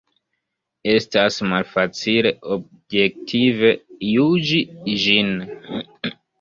Estas malfacile objektive juĝi ĝin.